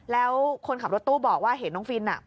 แล้วคนขับรถตู้บอกว่าเห็นน้องฟิน